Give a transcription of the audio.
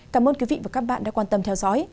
cảm ơn quý vị và các bạn đã quan tâm theo dõi